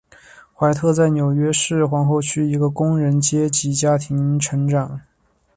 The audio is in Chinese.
怀特在纽约市皇后区一个工人阶级家庭成长。